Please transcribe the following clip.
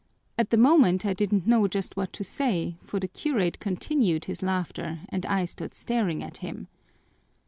At the moment I didn't know just what to say, for the curate continued his laughter and I stood staring at him.